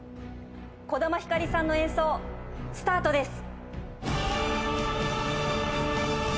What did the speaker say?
小玉ひかりさんの演奏スタートです。